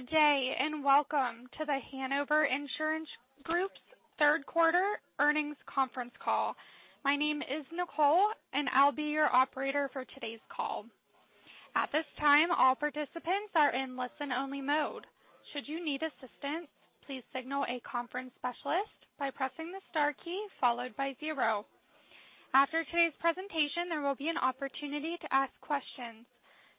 Good day, and welcome to The Hanover Insurance Group's third quarter earnings conference call. My name is Nicole, and I will be your operator for today's call. At this time, all participants are in listen-only mode. Should you need assistance, please signal a conference specialist by pressing the star key followed by zero. After today's presentation, there will be an opportunity to ask questions.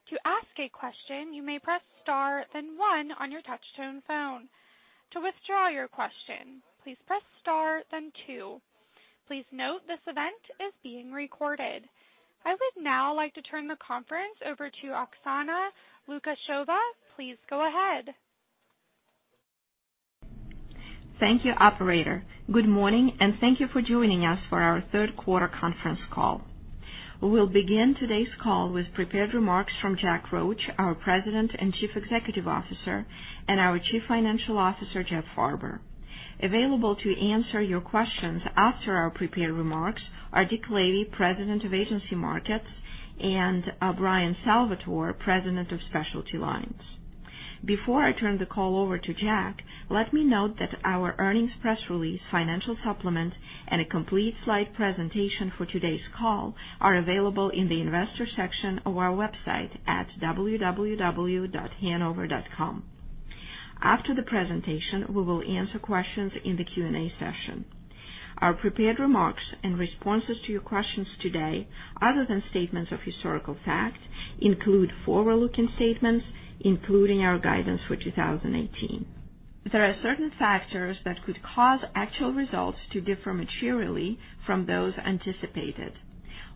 To ask a question, you may press star then one on your touch-tone phone. To withdraw your question, please press star then two. Please note this event is being recorded. I would now like to turn the conference over to Oksana Lukasheva. Please go ahead. Thank you, operator. Good morning, and thank you for joining us for our third quarter conference call. We will begin today's call with prepared remarks from Jack Roche, our President and Chief Executive Officer, and our Chief Financial Officer, Jeff Farber. Available to answer your questions after our prepared remarks are Dick Lavey, President of Agency Markets, and Bryan Salvatore, President of Specialty Lines. Before I turn the call over to Jack, let me note that our earnings press release, financial supplement, and a complete slide presentation for today's call are available in the investor section of our website at www.hanover.com. After the presentation, we will answer questions in the Q&A session. Our prepared remarks and responses to your questions today, other than statements of historical fact, include forward-looking statements, including our guidance for 2018. There are certain factors that could cause actual results to differ materially from those anticipated.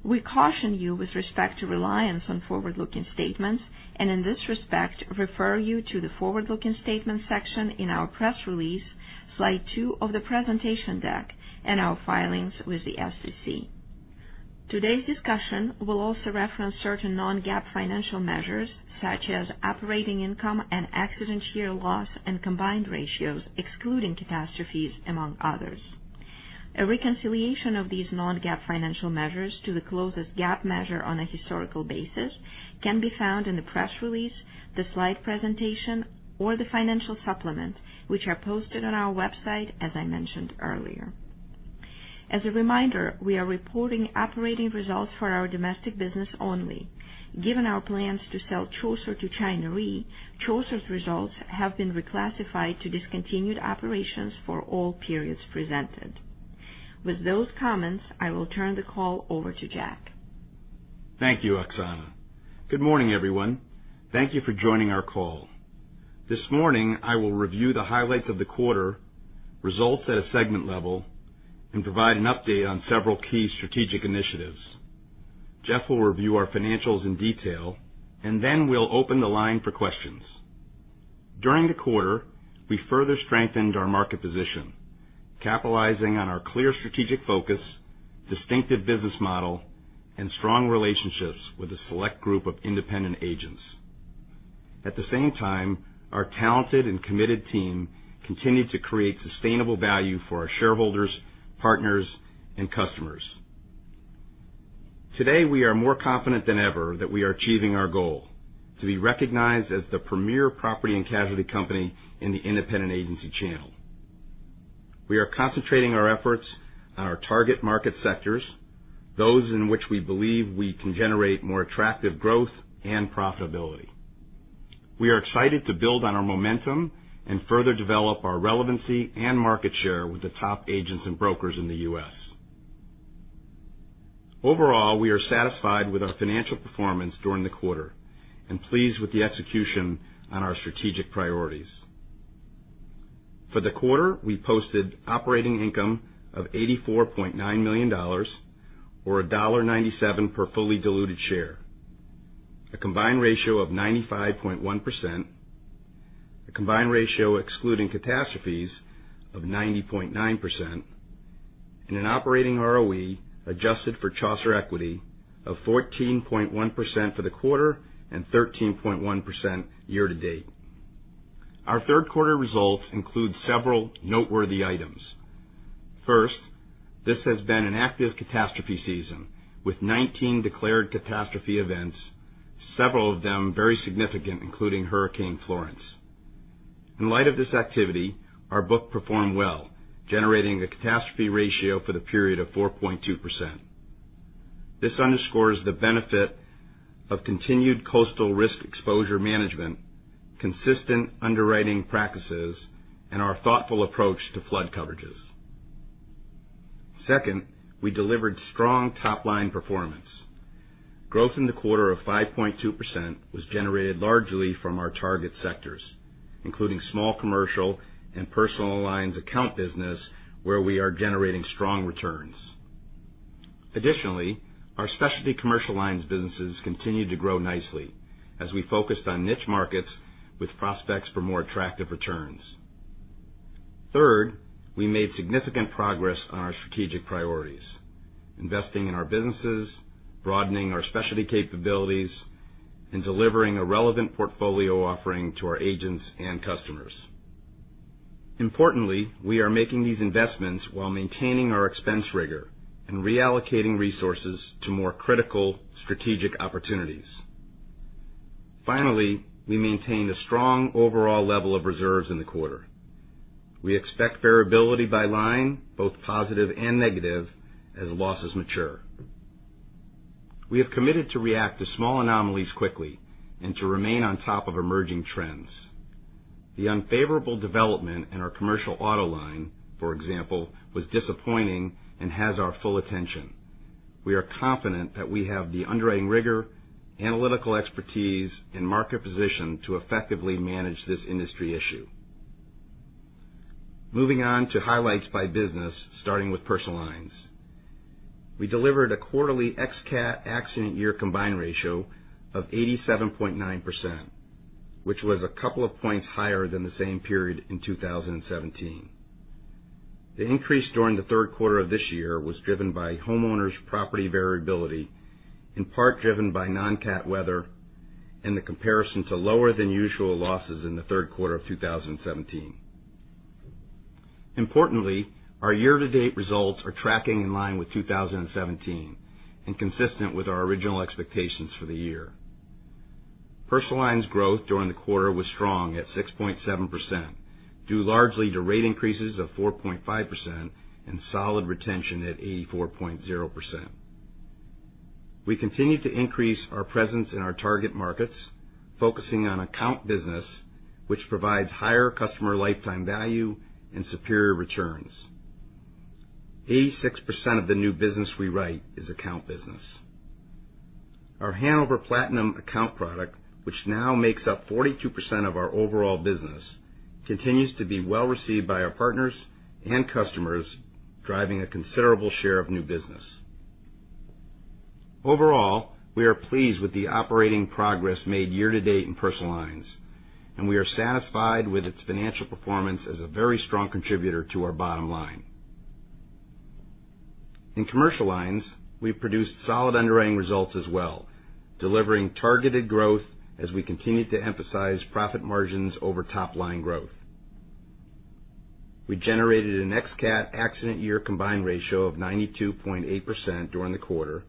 We caution you with respect to reliance on forward-looking statements, and in this respect refer you to the forward-looking statements section in our press release, slide two of the presentation deck, and our filings with the SEC. Today's discussion will also reference certain non-GAAP financial measures, such as operating income and accident year loss and combined ratios, excluding catastrophes, among others. A reconciliation of these non-GAAP financial measures to the closest GAAP measure on a historical basis can be found in the press release, the slide presentation, or the financial supplement, which are posted on our website, as I mentioned earlier. As a reminder, we are reporting operating results for our domestic business only. Given our plans to sell Chaucer to China Re, Chaucer's results have been reclassified to discontinued operations for all periods presented. With those comments, I will turn the call over to Jack. Thank you, Oksana. Good morning, everyone. Thank you for joining our call. This morning, I will review the highlights of the quarter, results at a segment level, and provide an update on several key strategic initiatives. Jeff will review our financials in detail, and then we will open the line for questions. During the quarter, we further strengthened our market position, capitalizing on our clear strategic focus, distinctive business model, and strong relationships with a select group of independent agents. At the same time, our talented and committed team continued to create sustainable value for our shareholders, partners, and customers. Today, we are more confident than ever that we are achieving our goal to be recognized as the premier property and casualty company in the independent agency channel. We are concentrating our efforts on our target market sectors, those in which we believe we can generate more attractive growth and profitability. We are excited to build on our momentum and further develop our relevancy and market share with the top agents and brokers in the U.S. Overall, we are satisfied with our financial performance during the quarter and pleased with the execution on our strategic priorities. For the quarter, we posted operating income of $84.9 million, or $1.97 per fully diluted share, a combined ratio of 95.1%, a combined ratio excluding catastrophes of 90.9%, and an operating ROE adjusted for Chaucer equity of 14.1% for the quarter and 13.1% year-to-date. Our third quarter results include several noteworthy items. First, this has been an active catastrophe season, with 19 declared catastrophe events, several of them very significant, including Hurricane Florence. In light of this activity, our book performed well, generating a catastrophe ratio for the period of 4.2%. This underscores the benefit of continued coastal risk exposure management, consistent underwriting practices, and our thoughtful approach to flood coverages. Second, we delivered strong top-line performance. Growth in the quarter of 5.2% was generated largely from our target sectors, including Small Commercial and Personal Lines account business where we are generating strong returns. Additionally, our Specialty Commercial Lines businesses continued to grow nicely as we focused on niche markets with prospects for more attractive returns. Third, we made significant progress on our strategic priorities, investing in our businesses, broadening our specialty capabilities, and delivering a relevant portfolio offering to our agents and customers. Importantly, we are making these investments while maintaining our expense rigor and reallocating resources to more critical strategic opportunities. Finally, we maintained a strong overall level of reserves in the quarter. We expect variability by line, both positive and negative, as losses mature. We have committed to react to small anomalies quickly and to remain on top of emerging trends. The unfavorable development in our commercial auto line, for example, was disappointing and has our full attention. We are confident that we have the underwriting rigor, analytical expertise, and market position to effectively manage this industry issue. Moving on to highlights by business, starting with Personal Lines. We delivered a quarterly ex-CAT accident year combined ratio of 87.9%, which was a couple of points higher than the same period in 2017. The increase during the third quarter of this year was driven by homeowners' property variability, in part driven by non-CAT weather and the comparison to lower than usual losses in the third quarter of 2017. Importantly, our year-to-date results are tracking in line with 2017 and consistent with our original expectations for the year. Personal Lines growth during the quarter was strong at 6.7%, due largely to rate increases of 4.5% and solid retention at 84.0%. We continue to increase our presence in our target markets, focusing on account business, which provides higher customer lifetime value and superior returns. 86% of the new business we write is account business. Our Hanover Platinum account product, which now makes up 42% of our overall business, continues to be well-received by our partners and customers, driving a considerable share of new business. Overall, we are pleased with the operating progress made year-to-date in Personal Lines, and we are satisfied with its financial performance as a very strong contributor to our bottom line. In Commercial Lines, we've produced solid underwriting results as well, delivering targeted growth as we continue to emphasize profit margins over top-line growth. We generated an ex-CAT accident year combined ratio of 92.8% during the quarter,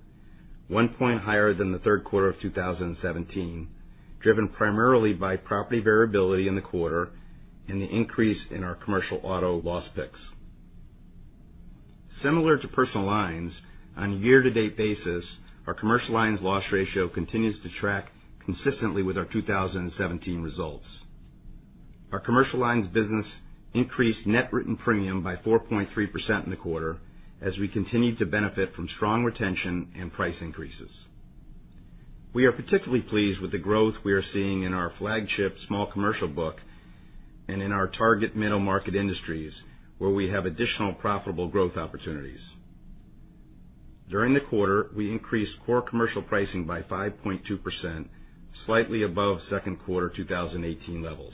one point higher than the third quarter of 2017, driven primarily by property variability in the quarter and the increase in our commercial auto loss pick. Similar to personal lines, on a year-to-date basis, our commercial lines loss ratio continues to track consistently with our 2017 results. Our commercial lines business increased net written premium by 4.3% in the quarter as we continued to benefit from strong retention and price increases. We are particularly pleased with the growth we are seeing in our flagship small commercial book and in our target middle-market industries, where we have additional profitable growth opportunities. During the quarter, we increased core commercial pricing by 5.2%, slightly above second quarter 2018 levels.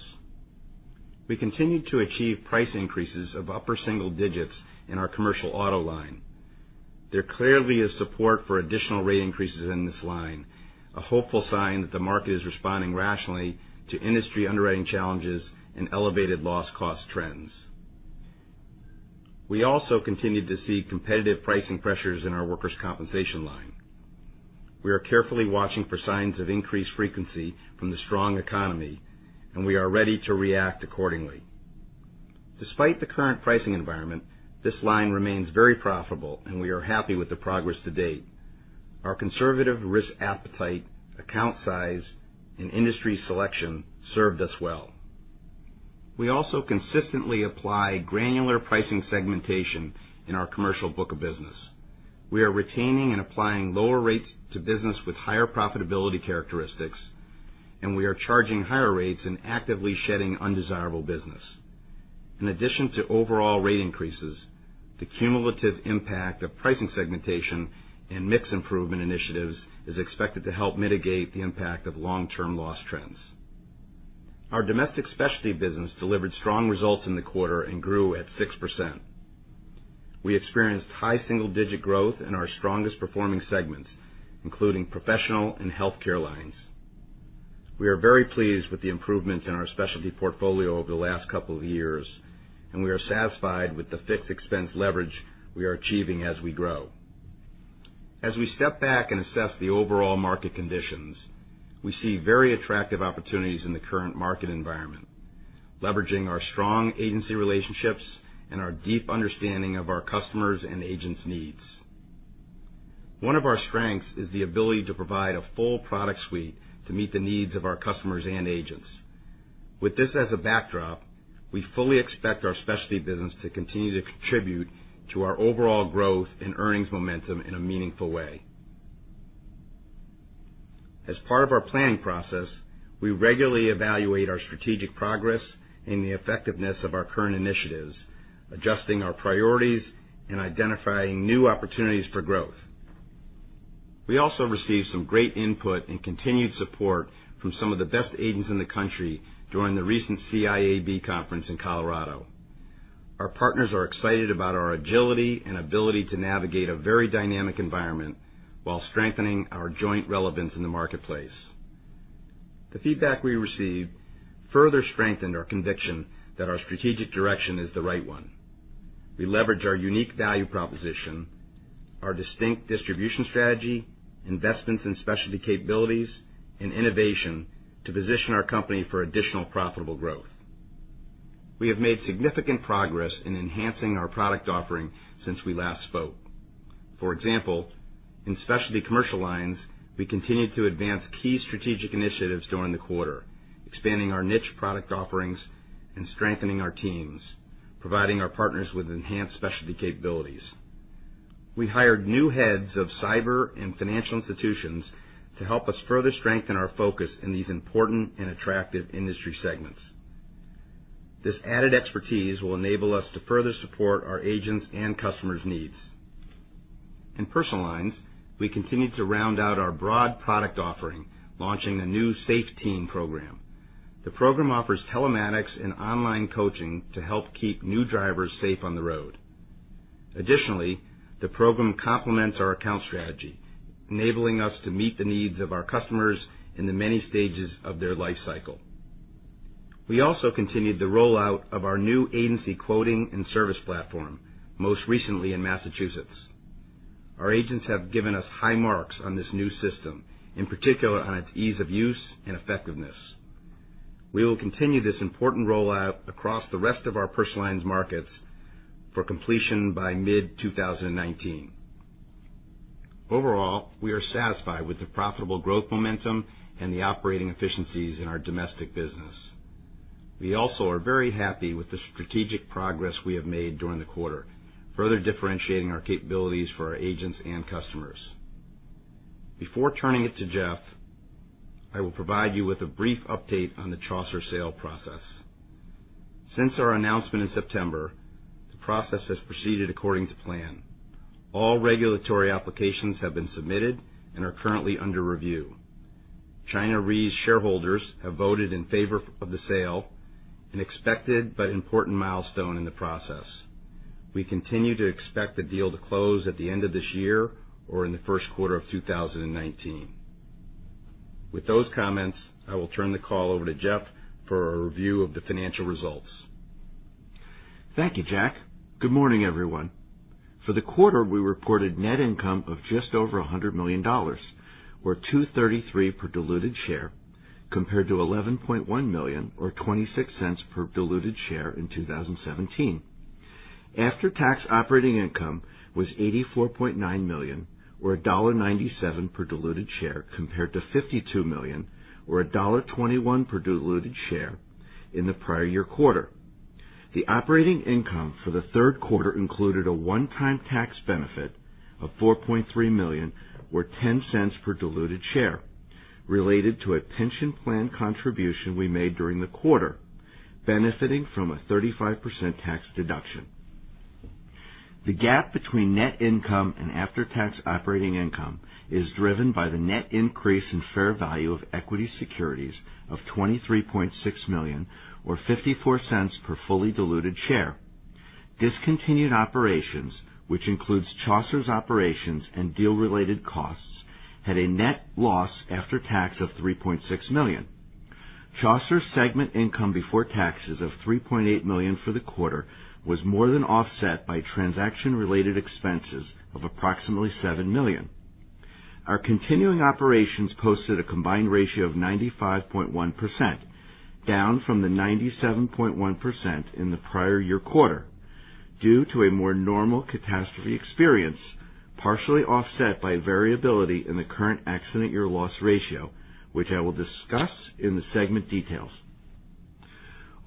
We continued to achieve price increases of upper single digits in our commercial auto line. There clearly is support for additional rate increases in this line, a hopeful sign that the market is responding rationally to industry underwriting challenges and elevated loss cost trends. We also continued to see competitive pricing pressures in our workers' compensation line. We are carefully watching for signs of increased frequency from the strong economy. We are ready to react accordingly. Despite the current pricing environment, this line remains very profitable. We are happy with the progress to date. Our conservative risk appetite, account size, and industry selection served us well. We also consistently apply granular pricing segmentation in our commercial book of business. We are retaining and applying lower rates to business with higher profitability characteristics. We are charging higher rates and actively shedding undesirable business. In addition to overall rate increases, the cumulative impact of pricing segmentation and mix improvement initiatives is expected to help mitigate the impact of long-term loss trends. Our domestic specialty business delivered strong results in the quarter and grew at 6%. We experienced high single-digit growth in our strongest performing segments, including professional and healthcare lines. We are very pleased with the improvements in our specialty portfolio over the last couple of years, and we are satisfied with the fixed expense leverage we are achieving as we grow. As we step back and assess the overall market conditions, we see very attractive opportunities in the current market environment, leveraging our strong agency relationships and our deep understanding of our customers' and agents' needs. One of our strengths is the ability to provide a full product suite to meet the needs of our customers and agents. With this as a backdrop, we fully expect our specialty business to continue to contribute to our overall growth and earnings momentum in a meaningful way. As part of our planning process, we regularly evaluate our strategic progress and the effectiveness of our current initiatives, adjusting our priorities and identifying new opportunities for growth. We also received some great input and continued support from some of the best agents in the country during the recent CIAB conference in Colorado. Our partners are excited about our agility and ability to navigate a very dynamic environment while strengthening our joint relevance in the marketplace. The feedback we received further strengthened our conviction that our strategic direction is the right one. We leverage our unique value proposition, our distinct distribution strategy, investments in specialty capabilities, and innovation to position our company for additional profitable growth. We have made significant progress in enhancing our product offering since we last spoke. For example, in specialty commercial lines, we continued to advance key strategic initiatives during the quarter, expanding our niche product offerings and strengthening our teams, providing our partners with enhanced specialty capabilities. We hired new heads of cyber and financial institutions to help us further strengthen our focus in these important and attractive industry segments. This added expertise will enable us to further support our agents' and customers' needs. In personal lines, we continued to round out our broad product offering, launching the new Safe Teen program. The program offers telematics and online coaching to help keep new drivers safe on the road. The program complements our account strategy, enabling us to meet the needs of our customers in the many stages of their life cycle. We continued the rollout of our new agency quoting and service platform, most recently in Massachusetts. Our agents have given us high marks on this new system, in particular on its ease of use and effectiveness. We will continue this important rollout across the rest of our personal lines markets for completion by mid-2019. We are satisfied with the profitable growth momentum and the operating efficiencies in our domestic business. We are very happy with the strategic progress we have made during the quarter, further differentiating our capabilities for our agents and customers. Before turning it to Jeff, I will provide you with a brief update on the Chaucer sale process. Since our announcement in September, the process has proceeded according to plan. All regulatory applications have been submitted and are currently under review. China Re's shareholders have voted in favor of the sale, an expected but important milestone in the process. We continue to expect the deal to close at the end of this year or in the first quarter of 2019. With those comments, I will turn the call over to Jeff for a review of the financial results. Thank you, Jack. Good morning, everyone. For the quarter, we reported net income of just over $100 million, or $2.33 per diluted share, compared to $11.1 million, or $0.26 per diluted share in 2017. After-tax operating income was $84.9 million, or $1.97 per diluted share, compared to $52 million, or $1.21 per diluted share in the prior year quarter. The operating income for the third quarter included a one-time tax benefit of $4.3 million, or $0.10 per diluted share, related to a pension plan contribution we made during the quarter, benefiting from a 35% tax deduction. The gap between net income and after-tax operating income is driven by the net increase in fair value of equity securities of $23.6 million or $0.54 per fully diluted share. Discontinued operations, which includes Chaucer's operations and deal-related costs, had a net loss after tax of $3.6 million. Chaucer segment income before taxes of $3.8 million for the quarter was more than offset by transaction-related expenses of approximately $7 million. Our continuing operations posted a combined ratio of 95.1%, down from the 97.1% in the prior year quarter due to a more normal catastrophe experience, partially offset by variability in the current accident year loss ratio, which I will discuss in the segment details.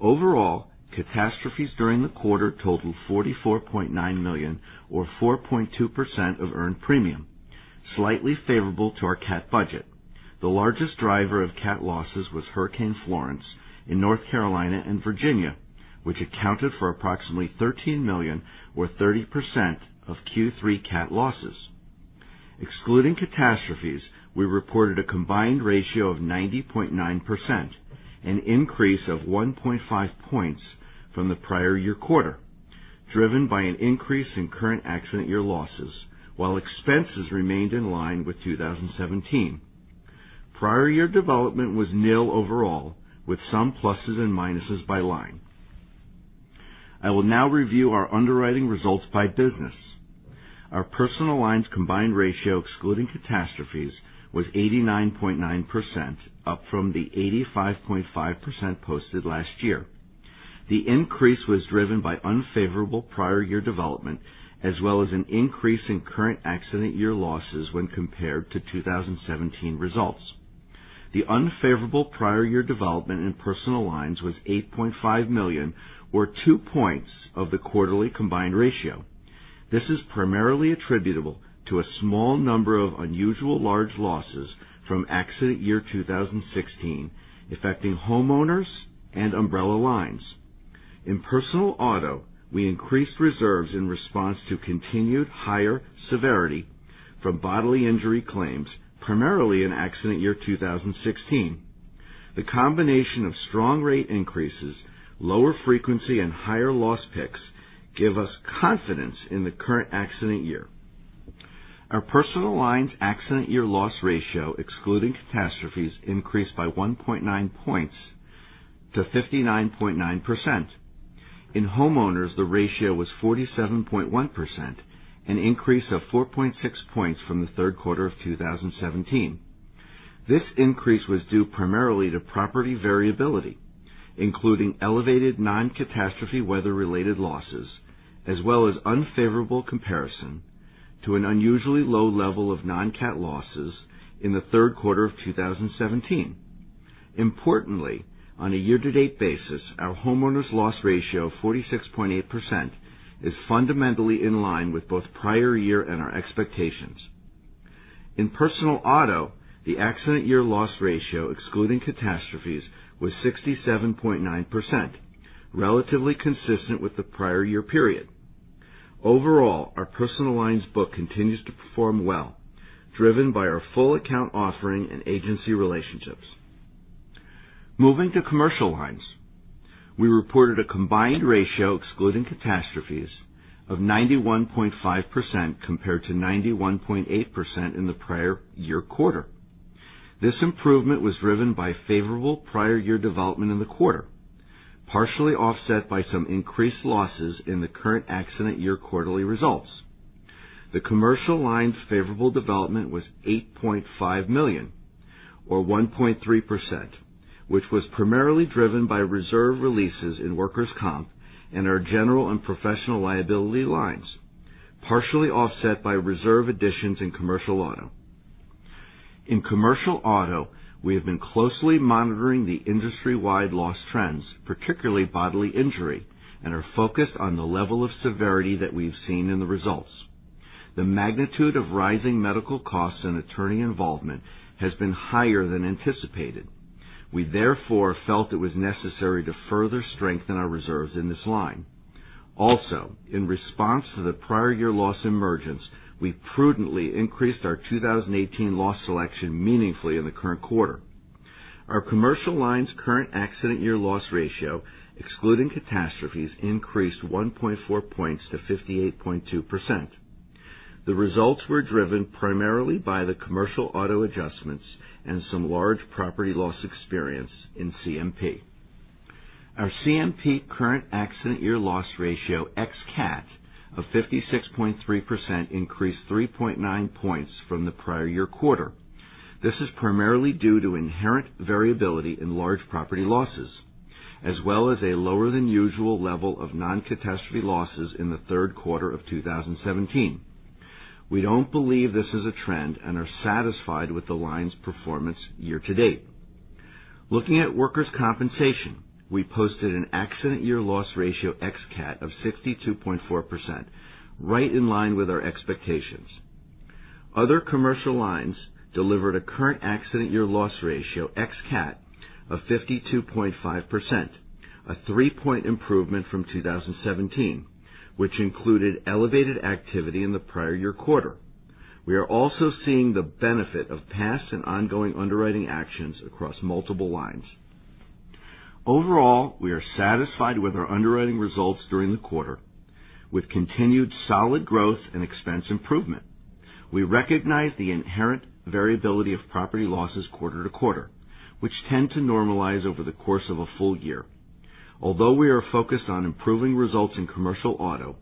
Overall, catastrophes during the quarter totaled $44.9 million, or 4.2% of earned premium, slightly favorable to our cat budget. The largest driver of cat losses was Hurricane Florence in North Carolina and Virginia, which accounted for approximately $13 million, or 30%, of Q3 cat losses. Excluding catastrophes, we reported a combined ratio of 90.9%, an increase of 1.5 points from the prior year quarter, driven by an increase in current accident year losses while expenses remained in line with 2017. Prior year development was nil overall, with some pluses and minuses by line. I will now review our underwriting results by business. Our personal lines combined ratio excluding catastrophes was 89.9%, up from the 85.5% posted last year. The increase was driven by unfavorable prior year development, as well as an increase in current accident year losses when compared to 2017 results. The unfavorable prior year development in personal lines was $8.5 million, or two points of the quarterly combined ratio. This is primarily attributable to a small number of unusual large losses from accident year 2016 affecting homeowners and umbrella lines. In personal auto, we increased reserves in response to continued higher severity from bodily injury claims, primarily in accident year 2016. The combination of strong rate increases, lower frequency, and higher loss picks give us confidence in the current accident year. Our personal lines accident year loss ratio, excluding catastrophes, increased by 1.9 points to 59.9%. In homeowners, the ratio was 47.1%, an increase of 4.6 points from the third quarter of 2017. This increase was due primarily to property variability, including elevated non-catastrophe weather-related losses, as well as unfavorable comparison to an unusually low level of non-cat losses in the third quarter of 2017. Importantly, on a year-to-date basis, our homeowners loss ratio of 46.8% is fundamentally in line with both prior year and our expectations. In personal auto, the accident year loss ratio, excluding catastrophes, was 67.9%, relatively consistent with the prior year period. Overall, our personal lines book continues to perform well, driven by our full account offering and agency relationships. Moving to commercial lines, we reported a combined ratio, excluding catastrophes, of 91.5%, compared to 91.8% in the prior year quarter. This improvement was driven by favorable prior year development in the quarter, partially offset by some increased losses in the current accident year quarterly results. The commercial lines' favorable development was $8.5 million, or 1.3%, which was primarily driven by reserve releases in workers' comp and our general and professional liability lines, partially offset by reserve additions in commercial auto. In commercial auto, we have been closely monitoring the industry-wide loss trends, particularly bodily injury, and are focused on the level of severity that we've seen in the results. The magnitude of rising medical costs and attorney involvement has been higher than anticipated. We therefore felt it was necessary to further strengthen our reserves in this line. Also, in response to the prior year loss emergence, we prudently increased our 2018 loss selection meaningfully in the current quarter. Our commercial lines current accident year loss ratio, excluding catastrophes, increased 1.4 points to 58.2%. The results were driven primarily by the commercial auto adjustments and some large property loss experience in CMP. Our CMP current accident year loss ratio ex-cat of 56.3% increased 3.9 points from the prior year quarter. This is primarily due to inherent variability in large property losses, as well as a lower than usual level of non-catastrophe losses in the third quarter of 2017. We don't believe this is a trend and are satisfied with the line's performance year to date. Looking at workers' compensation, we posted an accident year loss ratio ex-cat of 62.4%, right in line with our expectations. Other commercial lines delivered a current accident year loss ratio ex-cat of 52.5%, a three-point improvement from 2017, which included elevated activity in the prior year quarter. We are also seeing the benefit of past and ongoing underwriting actions across multiple lines. Overall, we are satisfied with our underwriting results during the quarter, with continued solid growth and expense improvement. We recognize the inherent variability of property losses quarter to quarter, which tend to normalize over the course of a full year. Although we are focused on improving results in commercial auto,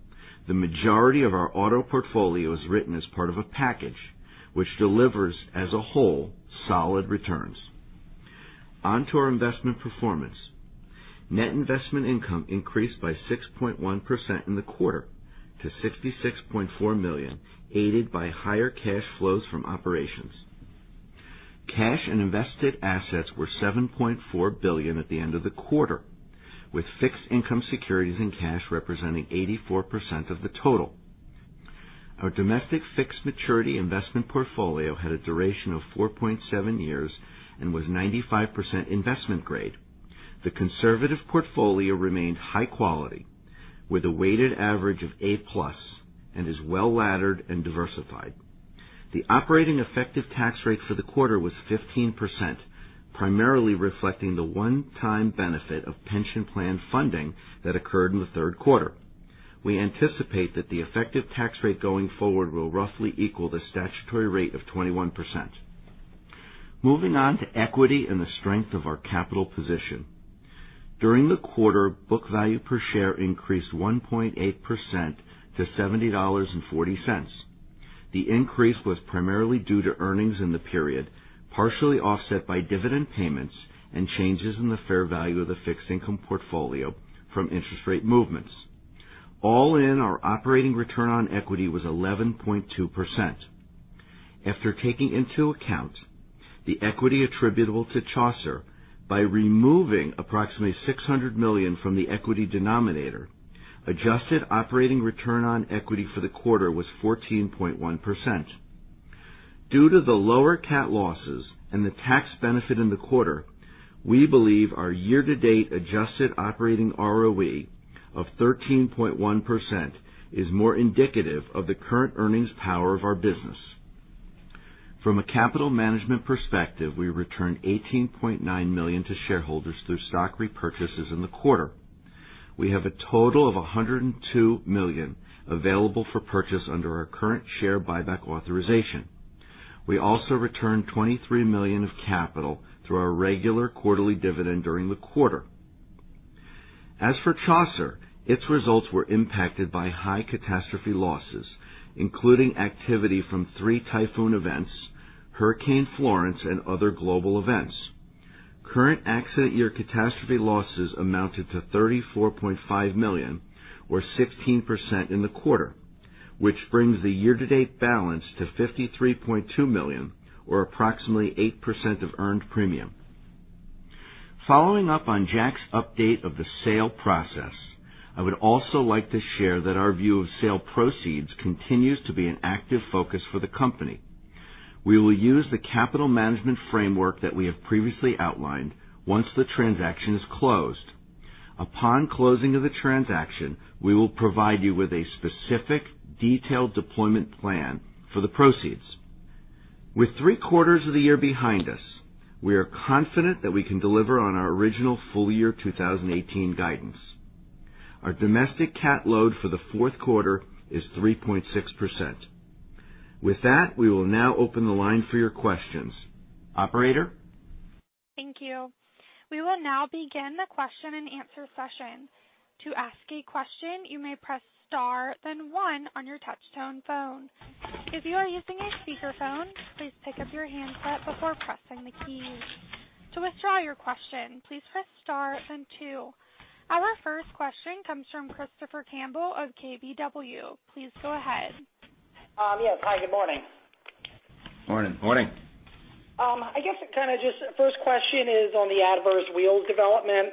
the majority of our auto portfolio is written as part of a package, which delivers, as a whole, solid returns. On to our investment performance. Net investment income increased by 6.1% in the quarter to $66.4 million, aided by higher cash flows from operations. Cash and invested assets were $7.4 billion at the end of the quarter, with fixed income securities and cash representing 84% of the total. Our domestic fixed maturity investment portfolio had a duration of 4.7 years and was 95% investment grade. The conservative portfolio remained high quality, with a weighted average of A+, and is well-laddered and diversified. The operating effective tax rate for the quarter was 15%, primarily reflecting the one-time benefit of pension plan funding that occurred in the third quarter. We anticipate that the effective tax rate going forward will roughly equal the statutory rate of 21%. Moving on to equity and the strength of our capital position. During the quarter, book value per share increased 1.8% to $70.40. The increase was primarily due to earnings in the period, partially offset by dividend payments and changes in the fair value of the fixed income portfolio from interest rate movements. All in, our operating return on equity was 11.2%. After taking into account the equity attributable to Chaucer by removing approximately $600 million from the equity denominator, adjusted operating return on equity for the quarter was 14.1%. Due to the lower cat losses and the tax benefit in the quarter, we believe our year-to-date adjusted operating ROE of 13.1% is more indicative of the current earnings power of our business. From a capital management perspective, we returned $18.9 million to shareholders through stock repurchases in the quarter. We have a total of $102 million available for purchase under our current share buyback authorization. We also returned $23 million of capital through our regular quarterly dividend during the quarter. As for Chaucer, its results were impacted by high catastrophe losses, including activity from three typhoon events, Hurricane Florence, and other global events. Current accident year catastrophe losses amounted to $34.5 million, or 16% in the quarter, which brings the year-to-date balance to $53.2 million, or approximately 8% of earned premium. Following up on Jack's update of the sale process, I would also like to share that our view of sale proceeds continues to be an active focus for The Hanover Insurance Group. We will use the capital management framework that we have previously outlined, once the transaction is closed. Upon closing of the transaction, we will provide you with a specific, detailed deployment plan for the proceeds. With three quarters of the year behind us, we are confident that we can deliver on our original full-year 2018 guidance. Our domestic cat load for the fourth quarter is 3.6%. With that, we will now open the line for your questions. Operator? Thank you. We will now begin the question and answer session. To ask a question, you may press star, then one on your touchtone phone. If you are using a speakerphone, please pick up your handset before pressing the keys. To withdraw your question, please press star then two. Our first question comes from Christopher Campbell of KBW. Please go ahead. Yes. Hi, good morning. Morning. Morning. I guess it kind of just, first question is on the adverse reserve development.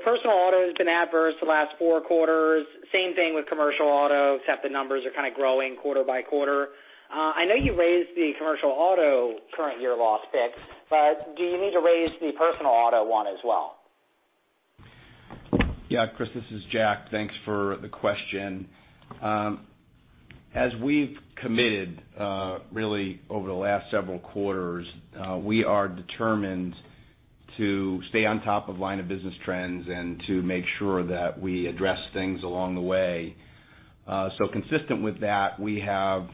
Personal auto has been adverse the last four quarters. Same thing with commercial auto, except the numbers are kind of growing quarter by quarter. I know you raised the commercial auto current year loss pick, do you need to raise the personal auto one as well? Christopher, this is Jack. Thanks for the question. As we've committed over the last several quarters, we are determined to stay on top of line of business trends and to make sure that we address things along the way. Consistent with that, we have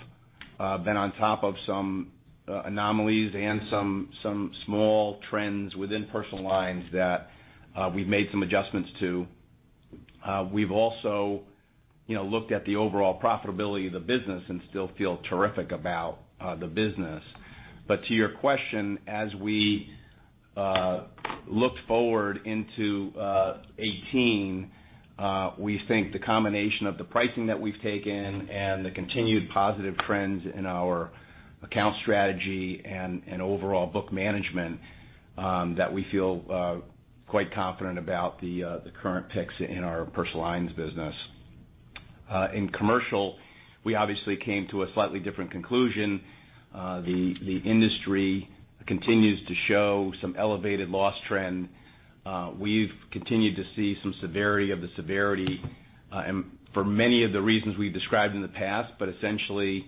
been on top of some anomalies and some small trends within personal lines that we've made some adjustments to. We've also looked at the overall profitability of the business and still feel terrific about the business. To your question, as we look forward into 2018, we think the combination of the pricing that we've taken and the continued positive trends in our account strategy and overall book management, that we feel quite confident about the current picks in our personal lines business. In commercial, we obviously came to a slightly different conclusion. The industry continues to show some elevated loss trend. We've continued to see some severity of the severity, for many of the reasons we've described in the past, essentially,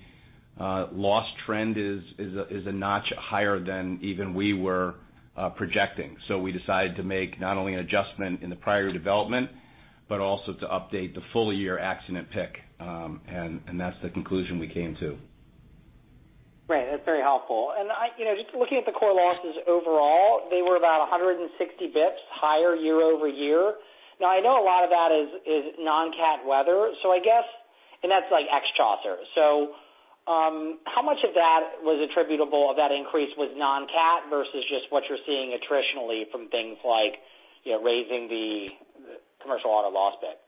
loss trend is a notch higher than even we were projecting. We decided to make not only an adjustment in the prior development, but also to update the full-year accident pick. That's the conclusion we came to. Right. That's very helpful. Just looking at the core losses overall, they were about 160 basis points higher year-over-year. Now, I know a lot of that is non-cat weather. That's like ex-Chaucer. How much of that was attributable of that increase with non-cat versus just what you're seeing attritionally from things like raising the commercial auto loss pick?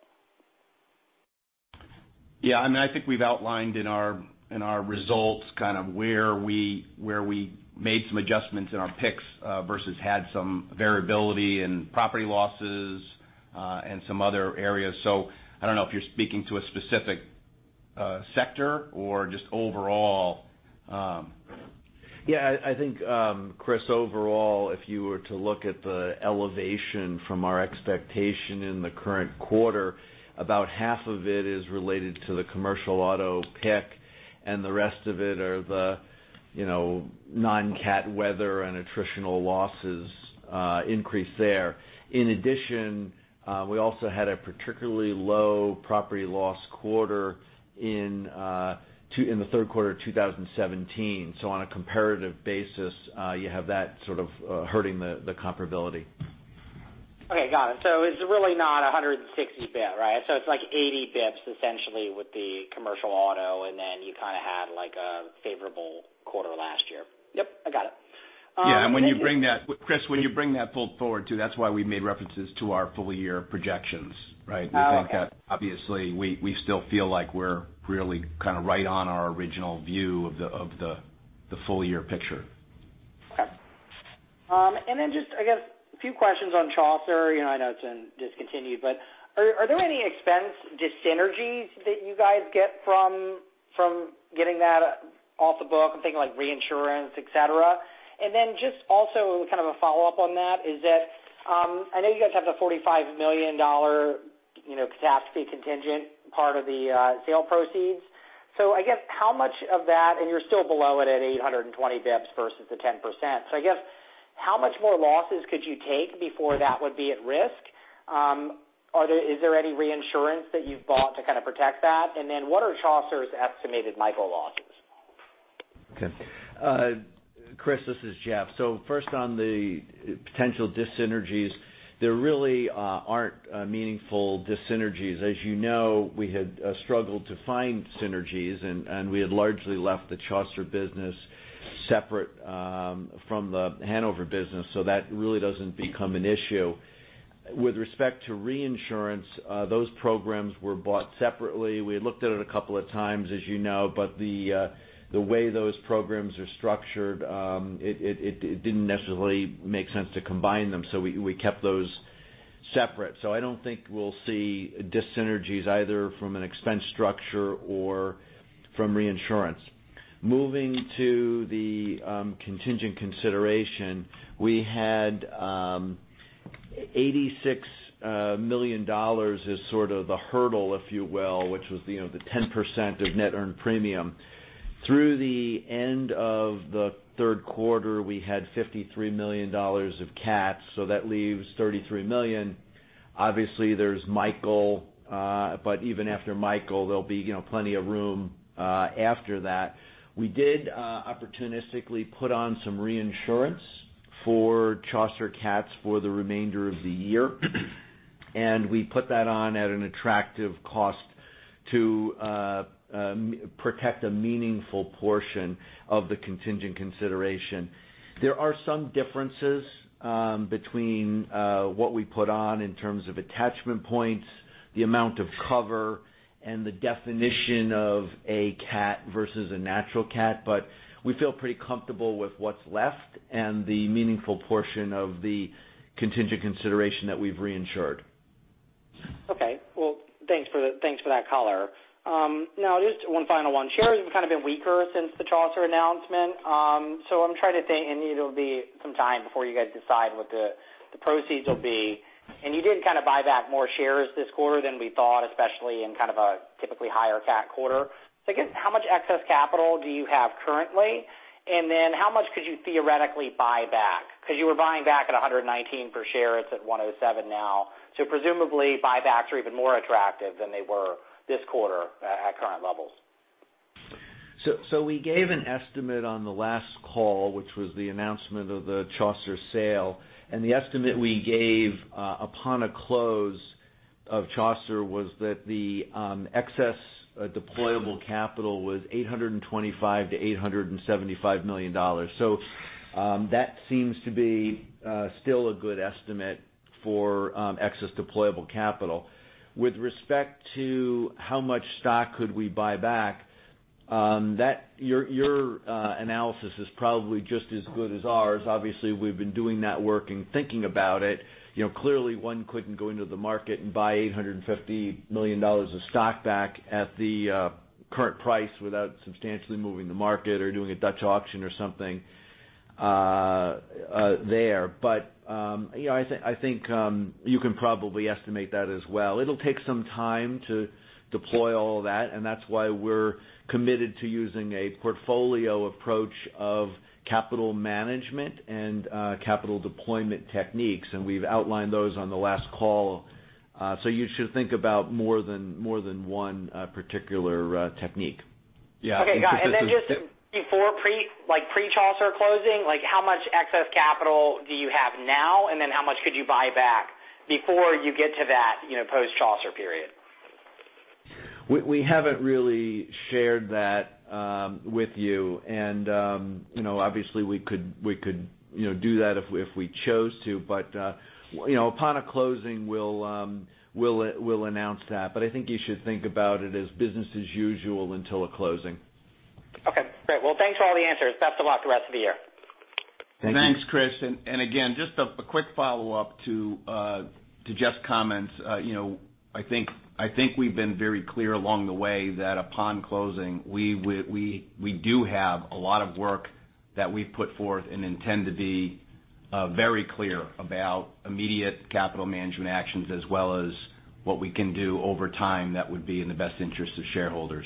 I think we've outlined in our results where we made some adjustments in our picks, versus had some variability in property losses, and some other areas. I don't know if you're speaking to a specific sector or just overall. Yeah, I think, Chris, overall, if you were to look at the elevation from our expectation in the current quarter, about half of it is related to the commercial auto pick, and the rest of it are the non-cat weather and attritional losses increase there. In addition, we also had a particularly low property loss quarter in the third quarter of 2017. On a comparative basis, you have that sort of hurting the comparability. Okay. Got it. It's really not 160 basis points, right? It's like 80 basis points essentially with the commercial auto, and then you kind of had like a favorable quarter last year. Yep, I got it. Yeah. Chris, when you bring that pull forward too, that's why we made references to our full-year projections, right? Oh, okay. We think that obviously we still feel like we're really kind of right on our original view of the full-year picture. Okay. I guess a few questions on Chaucer. I know it's been discontinued, but are there any expense dis-synergies that you guys get from getting that off the book? I'm thinking like reinsurance, et cetera. Also kind of a follow-up on that is that, I know you guys have the $45 million Catastrophe contingent part of the sale proceeds. I guess how much of that, and you're still below it at 820 basis points versus the 10%. I guess, how much more losses could you take before that would be at risk? Is there any reinsurance that you've bought to kind of protect that? What are Chaucer's estimated Michael losses? Okay. Christopher, this is Jeff. First on the potential dyssynergies, there really aren't meaningful dyssynergies. As you know, we had struggled to find synergies and we had largely left the Chaucer business separate from the Hanover business, so that really doesn't become an issue. With respect to reinsurance, those programs were bought separately. We had looked at it a couple of times, as you know, but the way those programs are structured, it didn't necessarily make sense to combine them. We kept those separate. I don't think we'll see dyssynergies either from an expense structure or from reinsurance. Moving to the contingent consideration, we had $86 million as sort of the hurdle, if you will, which was the 10% of net earned premium. Through the end of the third quarter, we had $53 million of CAT, so that leaves $33 million. Obviously, there's Michael. Even after Michael, there'll be plenty of room after that. We did opportunistically put on some reinsurance for Chaucer CATs for the remainder of the year, and we put that on at an attractive cost to protect a meaningful portion of the contingent consideration. There are some differences between what we put on in terms of attachment points, the amount of cover, and the definition of a CAT versus a natural CAT. We feel pretty comfortable with what's left and the meaningful portion of the contingent consideration that we've reinsured. Okay. Well, thanks for that color. Just one final one. Shares have kind of been weaker since the Chaucer announcement. I'm trying to think, it'll be some time before you guys decide what the proceeds will be, and you did kind of buy back more shares this quarter than we thought, especially in kind of a typically higher CAT quarter. Again, how much excess capital do you have currently? How much could you theoretically buy back? Because you were buying back at $119 per share. It's at $107 now. Presumably buybacks are even more attractive than they were this quarter at current levels. We gave an estimate on the last call, which was the announcement of the Chaucer sale. The estimate we gave upon a close of Chaucer was that the excess deployable capital was $825 million-$875 million. That seems to be still a good estimate for excess deployable capital. With respect to how much stock could we buy back, your analysis is probably just as good as ours. Obviously, we've been doing that work and thinking about it. Clearly one couldn't go into the market and buy $850 million of stock back at the current price without substantially moving the market or doing a Dutch auction or something there. I think you can probably estimate that as well. It'll take some time to deploy all of that's why we're committed to using a portfolio approach of capital management and capital deployment techniques, and we've outlined those on the last call. You should think about more than one particular technique. Okay, got it. Just before pre-Chaucer closing, how much excess capital do you have now? How much could you buy back before you get to that post-Chaucer period? We haven't really shared that with you. Obviously we could do that if we chose to. Upon a closing, we'll announce that. I think you should think about it as business as usual until a closing. Okay, great. Well, thanks for all the answers. Best of luck the rest of the year. Thank you. Thanks, Chris. Again, just a quick follow-up to Jeff's comments. I think we've been very clear along the way that upon closing, we do have a lot of work that we've put forth and intend to be very clear about immediate capital management actions as well as what we can do over time that would be in the best interest of shareholders.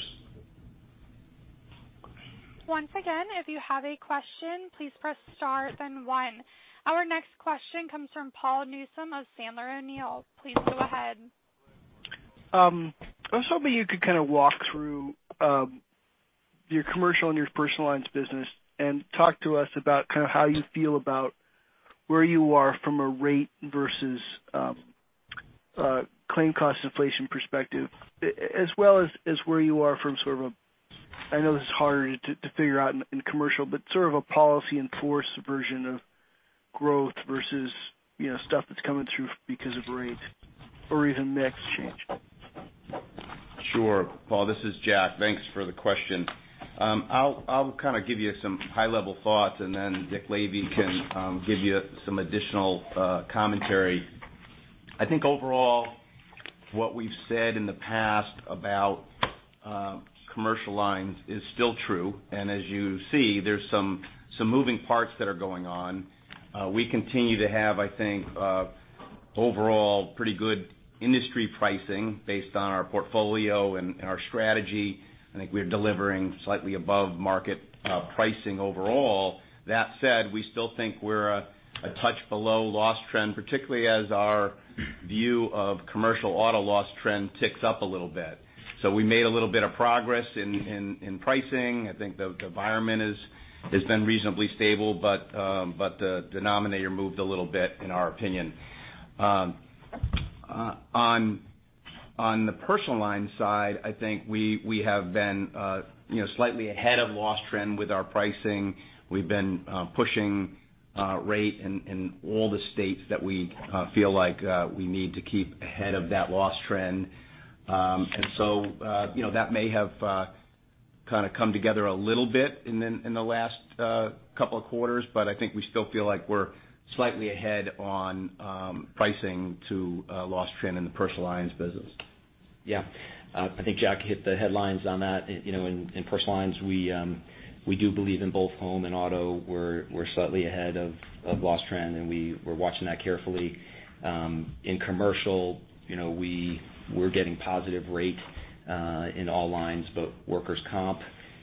Once again, if you have a question, please press star then one. Our next question comes from Paul Newsome of Sandler O'Neill. Please go ahead. I was hoping you could kind of walk through your commercial and your personal lines business and talk to us about kind of how you feel about where you are from a rate versus claim cost inflation perspective as well as where you are from sort of a, I know this is harder to figure out in commercial, but sort of a policies in force version of growth versus stuff that's coming through because of rates or even mix change. Sure. Paul, this is Jack. Thanks for the question. I'll kind of give you some high-level thoughts, and then Dick Lavey can give you some additional commentary. I think overall what we've said in the past about Commercial lines is still true. As you see, there's some moving parts that are going on. We continue to have, I think, overall pretty good industry pricing based on our portfolio and our strategy. I think we're delivering slightly above market pricing overall. That said, we still think we're a touch below loss trend, particularly as our view of commercial auto loss trend ticks up a little bit. We made a little bit of progress in pricing. I think the environment has been reasonably stable, but the denominator moved a little bit, in our opinion. On the personal line side, I think we have been slightly ahead of loss trend with our pricing. We've been pushing rate in all the states that we feel like we need to keep ahead of that loss trend. That may have kind of come together a little bit in the last couple of quarters. I think we still feel like we're slightly ahead on pricing to loss trend in the personal lines business. I think Jack hit the headlines on that. In personal lines, we do believe in both home and auto, we're slightly ahead of loss trend, and we're watching that carefully. In commercial, we're getting positive rate in all lines but workers' comp,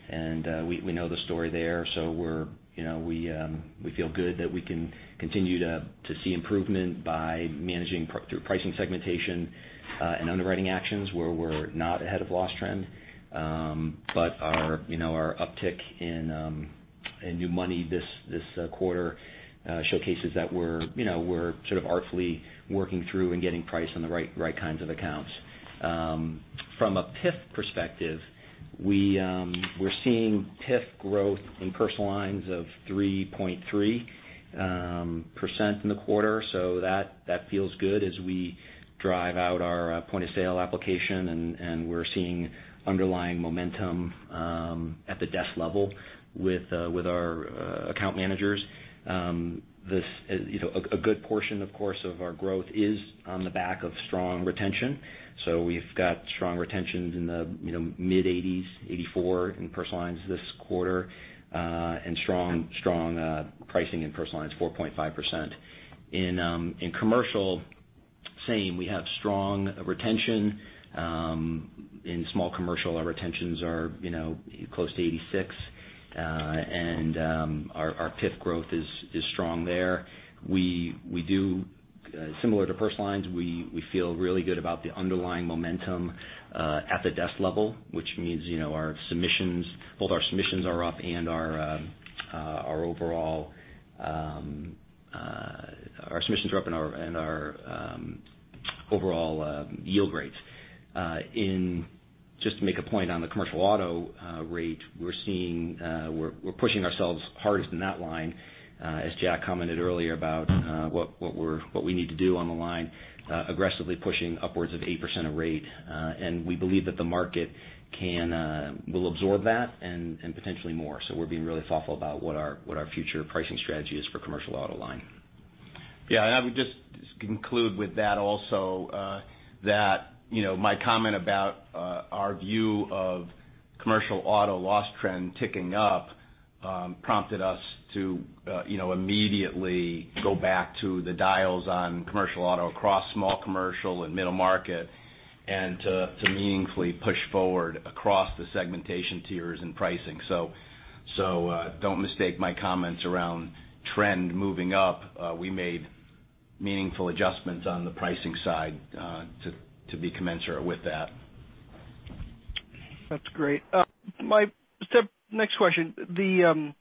and we know the story there. We feel good that we can continue to see improvement by managing through pricing segmentation, and underwriting actions where we're not ahead of loss trend. Our uptick in new money this quarter showcases that we're sort of artfully working through and getting price on the right kinds of accounts. From a PIF perspective, we're seeing PIF growth in personal lines of 3.3% in the quarter. That feels good as we drive out our point of sale application, and we're seeing underlying momentum at the desk level with our account managers. A good portion, of course, of our growth is on the back of strong retention. We've got strong retentions in the mid 80s, 84 in personal lines this quarter. Strong pricing in personal lines, 4.5%. In commercial, same. We have strong retention. In small commercial, our retentions are close to 86. Our PIF growth is strong there. Similar to personal lines, we feel really good about the underlying momentum at the desk level, which means both our submissions are up and our overall yield rates. Just to make a point on the commercial auto rate, we're pushing ourselves hardest in that line, as Jack commented earlier about what we need to do on the line, aggressively pushing upwards of 8% of rate. We believe that the market will absorb that and potentially more. We're being really thoughtful about what our future pricing strategy is for commercial auto line. Yeah, I would just conclude with that also, that my comment about our view of commercial auto loss trend ticking up prompted us to immediately go back to the dials on commercial auto across small commercial and middle market, and to meaningfully push forward across the segmentation tiers and pricing. Don't mistake my comments around trend moving up. We made meaningful adjustments on the pricing side to be commensurate with that. That's great. My next question, kind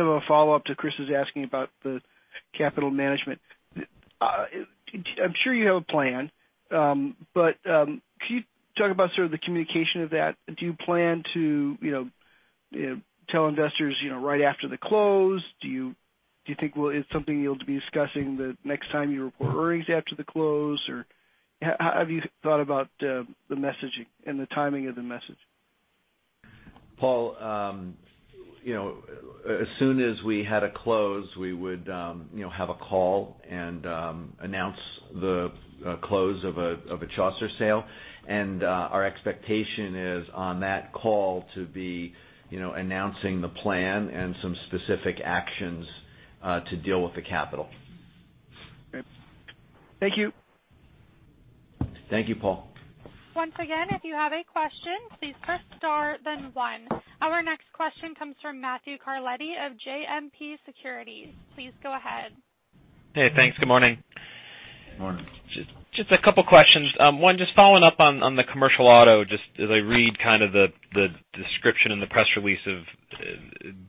of a follow-up to Chris' asking about the capital management. I'm sure you have a plan, but can you talk about sort of the communication of that? Do you plan to tell investors right after the close? Do you think it's something you'll be discussing the next time you report earnings after the close? Or how have you thought about the messaging and the timing of the message? Paul, as soon as we had a close, we would have a call and announce the close of a Chaucer sale. Our expectation is on that call to be announcing the plan and some specific actions to deal with the capital. Great. Thank you. Thank you, Paul. Once again, if you have a question, please press star then one. Our next question comes from Matthew Carletti of JMP Securities. Please go ahead. Hey, thanks. Good morning. Morning. Just a couple of questions. One, just following up on the commercial auto, just as I read kind of the description in the press release of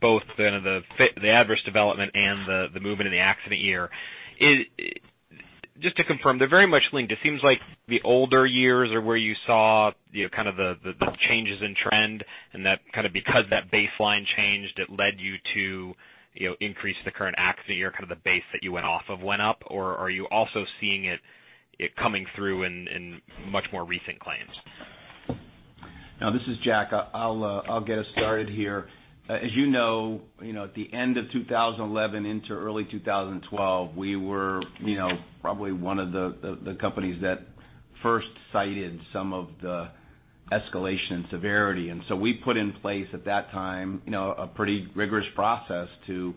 both the adverse development and the movement in the accident year. Just to confirm, they're very much linked. It seems like the older years are where you saw kind of the changes in trend, and that kind of because that baseline changed, it led you to increase the current accident year, kind of the base that you went off of went up. Or are you also seeing it coming through in much more recent claims? No, this is Jack. I'll get us started here. As you know, at the end of 2011 into early 2012, we were probably one of the companies that First cited some of the escalation and severity. We put in place at that time a pretty rigorous process to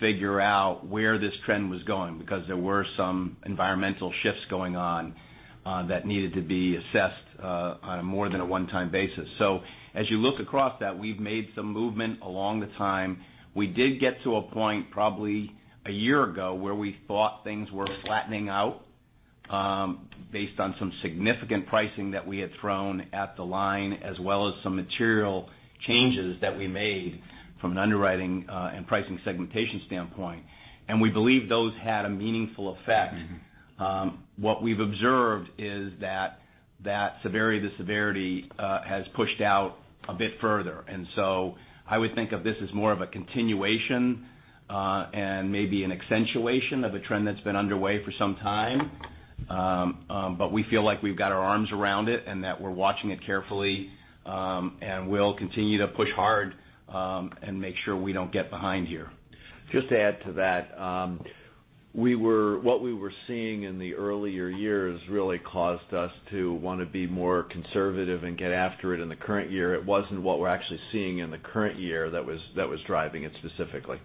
figure out where this trend was going, because there were some environmental shifts going on that needed to be assessed on a more than a one-time basis. As you look across that, we've made some movement along the time. We did get to a point probably a year ago, where we thought things were flattening out, based on some significant pricing that we had thrown at the line, as well as some material changes that we made from an underwriting and pricing segmentation standpoint. We believe those had a meaningful effect. What we've observed is that the severity has pushed out a bit further. I would think of this as more of a continuation, and maybe an accentuation of a trend that's been underway for some time. We feel like we've got our arms around it, and that we're watching it carefully. We'll continue to push hard and make sure we don't get behind here. Just to add to that. What we were seeing in the earlier years really caused us to want to be more conservative and get after it in the current year. It wasn't what we're actually seeing in the current year that was driving it specifically.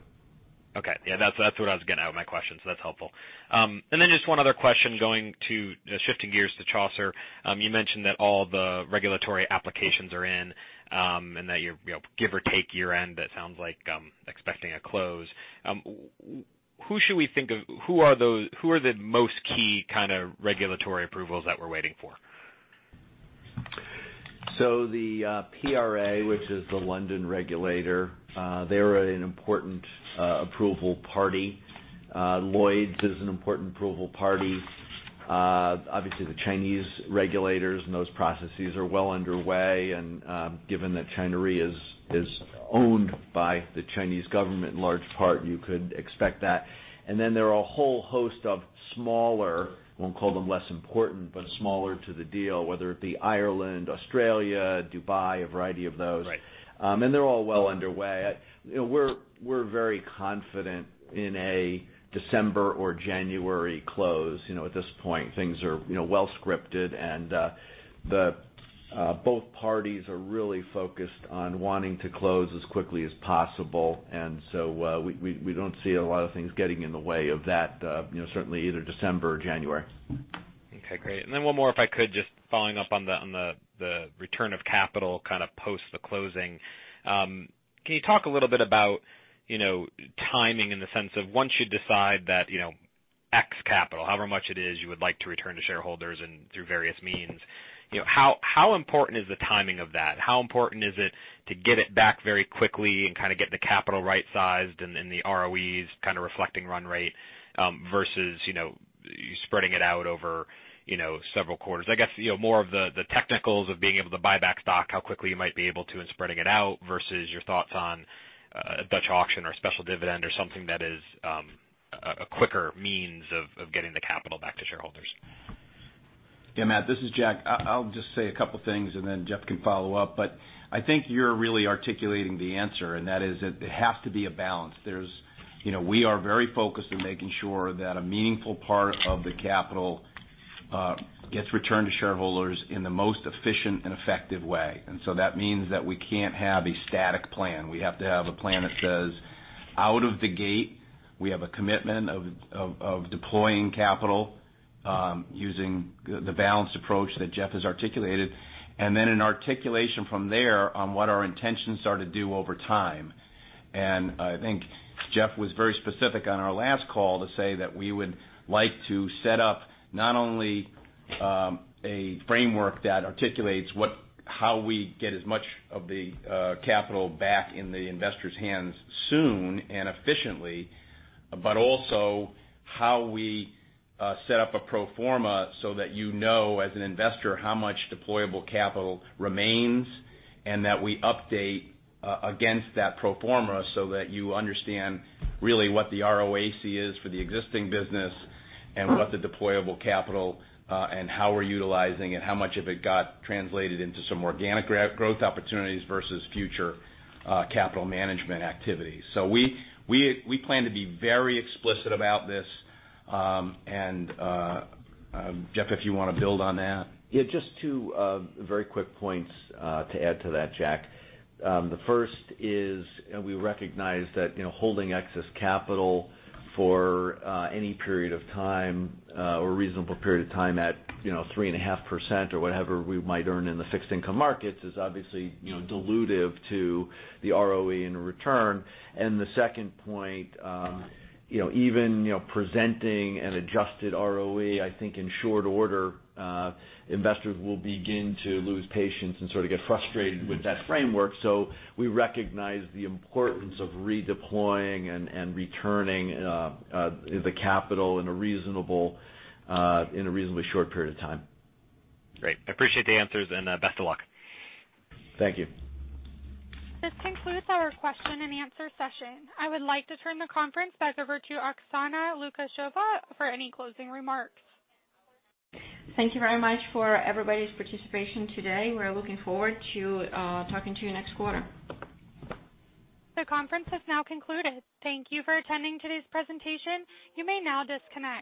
Okay. Yeah, that is what I was getting at with my question. That is helpful. Just one other question going to shifting gears to Chaucer. You mentioned that all the regulatory applications are in, and that you are give or take year-end, it sounds like expecting a close. Who are the most key kind of regulatory approvals that we are waiting for? The PRA, which is the London regulator, they are an important approval party. Lloyd's is an important approval party. Obviously, the Chinese regulators and those processes are well underway. Given that China Re is owned by the Chinese government in large part, you could expect that. There are a whole host of smaller, I will not call them less important, but smaller to the deal, whether it be Ireland, Australia, Dubai, a variety of those. Right. They are all well underway. We are very confident in a December or January close. At this point, things are well scripted and both parties are really focused on wanting to close as quickly as possible. We do not see a lot of things getting in the way of that, certainly either December or January. Okay, great. One more, if I could, just following up on the return of capital kind of post the closing. Can you talk a little bit about timing in the sense of once you decide that X capital, however much it is you would like to return to shareholders and through various means, how important is the timing of that? How important is it to get it back very quickly and kind of get the capital right-sized and the ROEs kind of reflecting run rate, versus spreading it out over several quarters? I guess, more of the technicals of being able to buy back stock, how quickly you might be able to in spreading it out, versus your thoughts on a Dutch auction or a special dividend or something that is a quicker means of getting the capital back to shareholders. Yeah, Matt, this is Jack. I'll just say a couple things and then Jeff can follow up. I think you're really articulating the answer, and that is that there has to be a balance. We are very focused on making sure that a meaningful part of the capital gets returned to shareholders in the most efficient and effective way. That means that we can't have a static plan. We have to have a plan that says out of the gate, we have a commitment of deploying capital using the balanced approach that Jeff has articulated. Then an articulation from there on what our intentions are to do over time. I think Jeff was very specific on our last call to say that we would like to set up not only a framework that articulates how we get as much of the capital back in the investors' hands soon and efficiently, but also how we set up a pro forma so that you know as an investor how much deployable capital remains, and that we update against that pro forma so that you understand really what the ROAC is for the existing business, and what the deployable capital and how we're utilizing it, how much of it got translated into some organic growth opportunities versus future capital management activities. We plan to be very explicit about this. Jeff, if you want to build on that. Yeah, just two very quick points to add to that, Jack. The first is we recognize that holding excess capital for any period of time or a reasonable period of time at 3.5% or whatever we might earn in the fixed income markets is obviously dilutive to the ROE and return. The second point, even presenting an adjusted ROE, I think in short order investors will begin to lose patience and sort of get frustrated with that framework. We recognize the importance of redeploying and returning the capital in a reasonably short period of time. Great. I appreciate the answers and best of luck. Thank you. This concludes our question and answer session. I would like to turn the conference back over to Oksana Lukasheva for any closing remarks. Thank you very much for everybody's participation today. We're looking forward to talking to you next quarter. The conference has now concluded. Thank you for attending today's presentation. You may now disconnect.